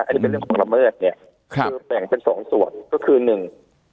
อันนี้เป็นเรื่องของละเมิดเนี่ยคือแบ่งเป็นสองส่วนก็คือหนึ่ง